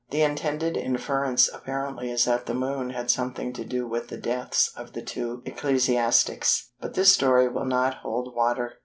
The intended inference apparently is that the Moon had something to do with the deaths of the two ecclesiastics, but this theory will not hold water.